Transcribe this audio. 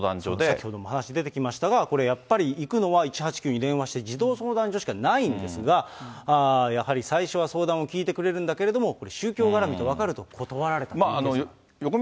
先ほどもお話出てましたが、やっぱり行くのは１８９に電話して、児童相談所しかないんですが、やはり最初は相談を聞いてくれるんだけれども、宗教絡みと分かると断られたという事例も。